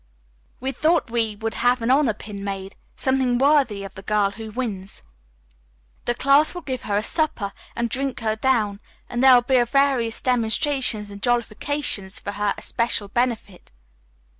"We thought we would have an honor pin made, something worthy of the girl who wins. The class will give her a supper and drink her down, and there will be various demonstrations and jollifications for her especial benefit."